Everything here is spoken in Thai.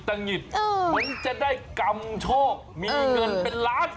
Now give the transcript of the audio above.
มันจะได้กำโชคมีเงินเป็นล้าน